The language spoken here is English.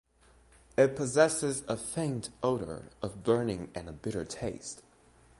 It possesses a faint odor of burning and a bitter taste.